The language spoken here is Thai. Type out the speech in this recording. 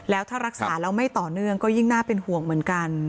แล้วถ้ารักษาแล้วไม่ต่อเนื่องก็ยิ่งน่าเป็นห่วงเหมือนกัน